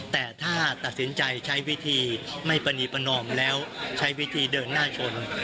แต่ถ้าตัดสินใจใช้วิธีไม่ปรณีประนอมแล้วใช้วิธีเดินหน้าชน